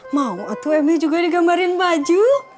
mau atuh eme juga digambarin baju